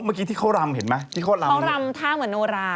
เมื่อกี้ที่เขารำเห็นไหมที่เขารำเขารำท่าเหมือนโนรา